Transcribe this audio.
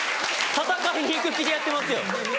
戦いに行く気でやってますよ。